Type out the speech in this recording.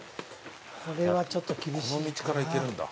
これはちょっと厳しいかな。